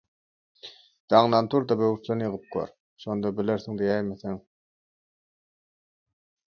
Daňdan tur-da böwürslen ýygyp gör şonda bilersiň diýäýmeseň...